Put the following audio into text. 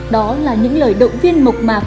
đó là những lời động viên mộc mà